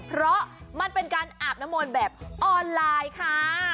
เพราะมันเป็นการอาบน้ำมนต์แบบออนไลน์ค่ะ